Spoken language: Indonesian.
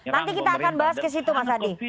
nanti kita akan bahas ke situ mas adi